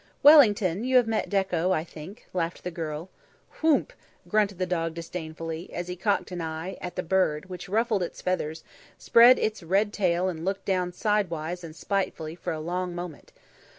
"Wellington, you have met Dekko, I think," laughed the girl. "Woomph!" grunted the dog disdainfully, as he cocked an eye at the bird, which ruffled its feathers, spread its red tail and looked down sideways and spitefully for a long moment.